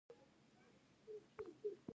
عطايي د خپلو خلکو ستونزې په شعرونو کې راواړولې.